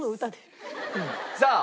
さあ。